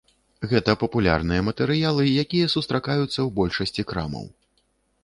Гэта папулярныя матэрыялы, якія сустракаюцца ў большасці крамаў.